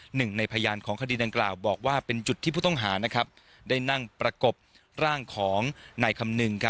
หนึ่งในพยานของคดีดังกล่าวบอกว่าเป็นจุดที่ผู้ต้องหาได้นั่งประกบร่างของนายคำนึง